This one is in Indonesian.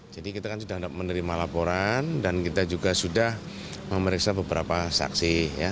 jadi kita kan sudah menerima laporan dan kita juga sudah memeriksa beberapa saksi